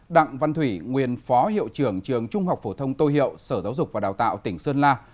đặng văn thủy nguyên phó hiệu trưởng trường trung học phổ thông tô hiệu sở giáo dục và đào tạo tỉnh sơn la